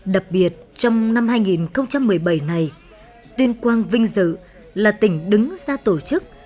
đặc biệt trong năm hai nghìn một mươi bảy này tuyên quang vinh dự là tỉnh đứng ra tổ chức